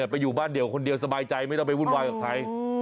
ไปอยู่บ้านเดียวคนเดียวสบายใจไม่ต้องไปวุ่นวายกับใคร